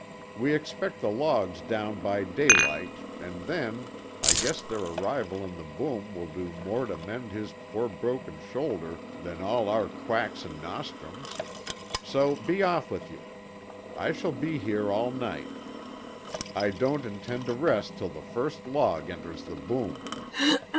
We expect the logs down by daylight, and then I guess their arrival in the boom will do more to mend his poor broken shoulder than all our quacks and nostrums. So be off with you. I shall be here all night. I don't intend to rest till the first log enters the boom."